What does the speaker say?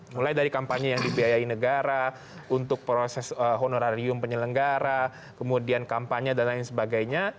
mulai dari kampanye yang dibiayai negara untuk proses honorarium penyelenggara kemudian kampanye dan lain sebagainya